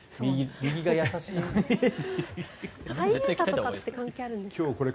左右差とかって関係あるんですか？